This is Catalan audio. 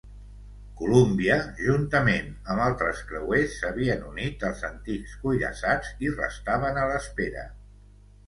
"Columbia" juntament amb altres creuers s'havien unit als antics cuirassats i restaven a l'espera.